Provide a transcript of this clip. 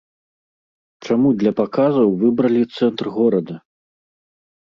Чаму для паказаў выбралі цэнтр горада?